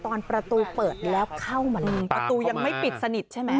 ตอนประตูเปิดแล้วเข้ามาประตูยังไม่ปิดสนิทใช่ไหม